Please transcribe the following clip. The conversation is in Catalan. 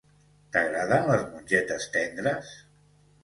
T'agraden les mongetes tendres?